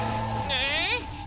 えっ？